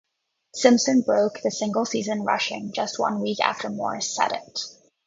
Simpson broke the single-season rushing just one week after Morris set it.